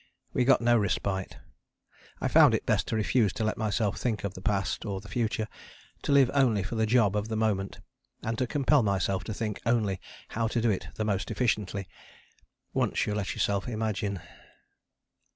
We got no respite. I found it best to refuse to let myself think of the past or the future to live only for the job of the moment, and to compel myself to think only how to do it most efficiently. Once you let yourself imagine....